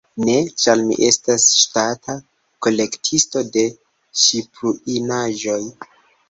Ne, ĉar mi estas ŝtata kolektisto de ŝipruinaĵoj.